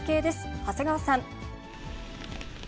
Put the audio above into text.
長谷川さん。